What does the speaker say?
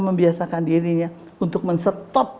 membiasakan dirinya untuk men stop